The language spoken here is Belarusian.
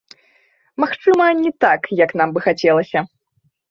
Магчыма, не так, як нам бы хацелася.